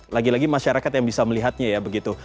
lagi lagi masyarakat yang bisa melihatnya ya begitu